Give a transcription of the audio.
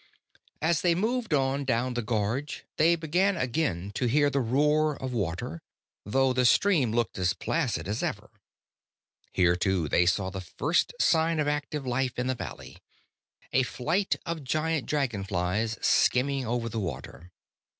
As they moved on down the gorge, they began again to hear the roar of water, though the stream looked as placid as ever. Here, too, they saw the first sign of active life in the valley: a flight of giant dragonflies skimming over the water.